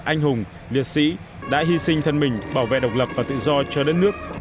anh hùng liệt sĩ đã hy sinh thân mình bảo vệ độc lập và tự do cho đất nước